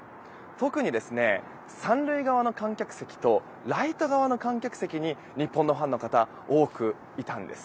特に、３塁側の観客席とライト側の観客席に日本のファンの方が多くいたんです。